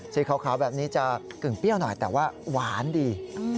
สีขาวแบบนี้จะกึ่งเปรี้ยวหน่อยแต่ว่าหวานดี